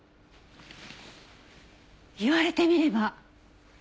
言われてみれば！